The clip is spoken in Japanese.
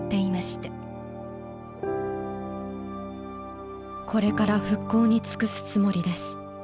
「之から復興につくすつもりです。